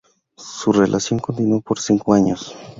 Su relación continuó por cinco años.